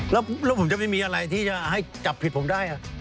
แล้วผมจะไม่มีอะไรที่จะให้จับผิดผมได้